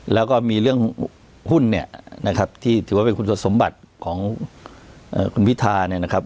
แล้วก็มีเรื่องหุ้นเนี่ยนะครับที่ถือว่าเป็นคุณสมบัติของคุณพิธาเนี่ยนะครับ